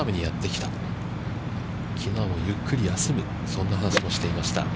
きのうはゆっくり休むそんな話もしていました。